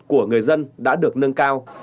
của người dân đã được nâng cao